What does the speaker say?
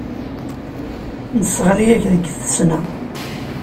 Nesseɣli-ak deg tfesna.